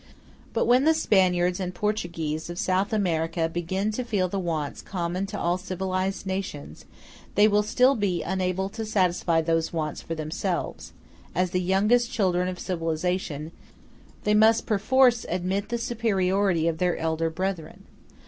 But when the Spaniards and Portuguese of South America begin to feel the wants common to all civilized nations, they will still be unable to satisfy those wants for themselves; as the youngest children of civilization, they must perforce admit the superiority of their elder brethren.